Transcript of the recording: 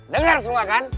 dengar semua kan